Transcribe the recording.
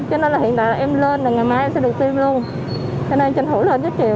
cho nên là hiện tại là em lên ngày mai sẽ được tiêm luôn